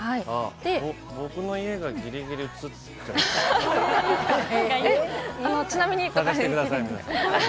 僕の家がギリギリ映っちゃうかな？